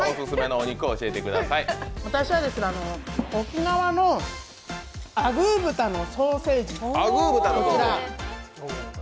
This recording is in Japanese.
私は沖縄のアグー豚のソーセージ、こちら。